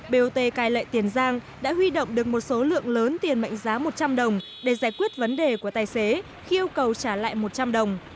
bot cai lệ tiền giang đã huy động được một số lượng lớn tiền mệnh giá một trăm linh đồng để giải quyết vấn đề của tài xế khi yêu cầu trả lại một trăm linh đồng